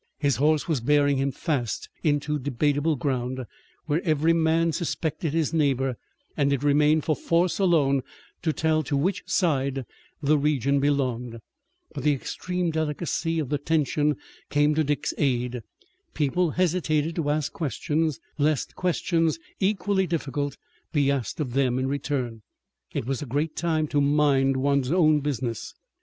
His horse was bearing him fast into debatable ground, where every man suspected his neighbor, and it remained for force alone to tell to which side the region belonged. But the extreme delicacy of the tension came to Dick's aid. People hesitated to ask questions, lest questions equally difficult be asked of them in return. It was a great time to mind one's own business.